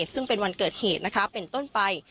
ซึ่งเป็นวันเกิดเหตุเป็นต้นไป